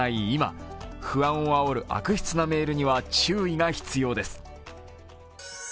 今、不安をあおる悪質なメールには注意が必要です。